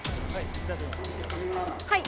はい。